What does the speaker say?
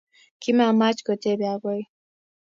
Kimamach kotebi akoi